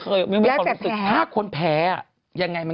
กันชาอยู่ในนี้